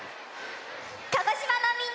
鹿児島のみんなと。